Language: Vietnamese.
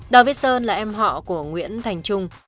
đào viết sơn là em họ của nguyễn thành trung